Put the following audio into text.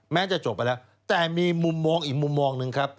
แม้จะจบไปแล้วแต่มีมุมมองอีกมุมมองหนึ่งครับ